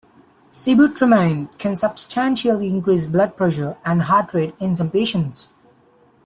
Sibutramine can substantially increase blood pressure and heart rate in some patients.